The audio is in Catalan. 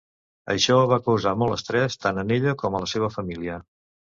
Això va causar molt estrès, tant a ella com a la seva família.